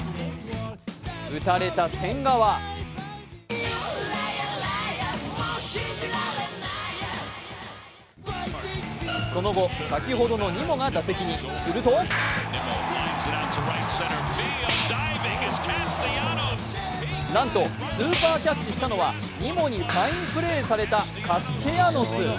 打たれた千賀はその後、先ほどのニモが打席にするとなんとスーパーキャッチしたのは、ニモにファインプレーされたカステヤノス。